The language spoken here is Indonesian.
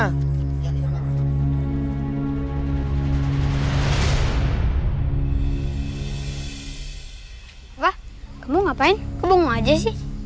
apa kamu ngapain kok bengong aja sih